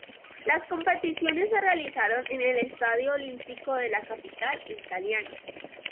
Las competiciones se realizaron en el Estadio Olímpico de la capital italiana.